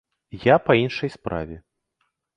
Я па іншай справе.